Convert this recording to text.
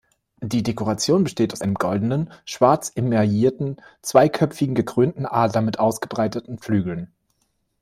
Die Dekoration besteht aus einem goldenen, schwarz emaillierten, zweiköpfigen, gekrönten Adler mit ausgebreiteten Flügeln.